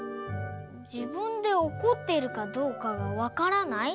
じぶんでおこってるかどうかがわからない？